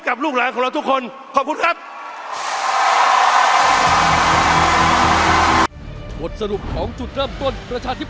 ลูกหลานของเราทุกคนขอบคุณครับ